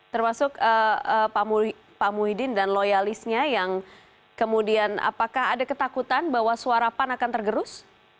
termasuk pak muhyiddin dan loyalisnya yang kemudian apakah ada ketakutan bahwa suara pan akan tergerus